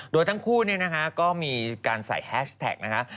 โดยทั้งคู่เนี่ยนะคะก็มีการใส่แฮชแท็กนะคะ